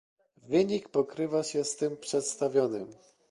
Wynik pokrywa się z tym przedstawionym